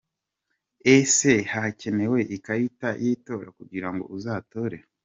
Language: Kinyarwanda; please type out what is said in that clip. Ese hakenewe ikarita y’itora kugirango uzatore ?